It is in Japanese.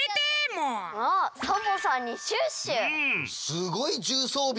すごいじゅうそうびね！